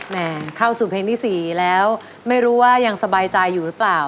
แม่เข้าสู่เพลงที่๔แล้วไม่รู้ว่ายังสบายใจอยู่หรือเปล่า